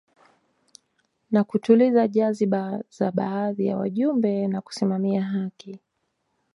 Na kutuliza jazba za baadhi ya wajumbe na kusimamia haki